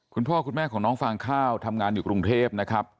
คุณพ่อคุณแม่ของน้องฟางข้าวทำงานอยู่กรุงเทพนะครับ